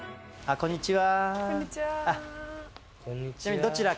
こんにちは。